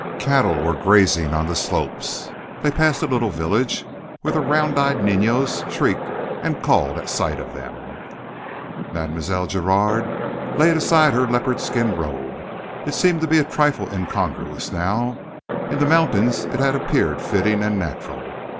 Cattle were grazing on the slopes. They passed a little village where the round eyed niños shrieked and called at sight of them. Mlle. Giraud laid aside her leopard skin robe. It seemed to be a trifle incongruous now. In the mountains it had appeared fitting and natural.